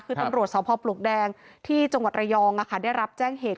คือตำรวจสพปลวกแดงที่จังหวัดระยองได้รับแจ้งเหตุ